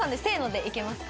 でいけますか？